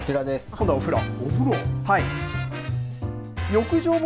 今度はお風呂。